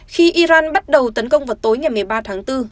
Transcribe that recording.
khi iran bắt đầu tấn công vào tối ngày một mươi ba tháng bốn